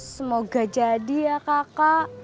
semoga jadi ya kakak